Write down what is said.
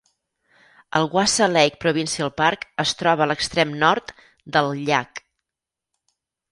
El Wasa Lake Provincial Park es troba a l'extrem nord del llac.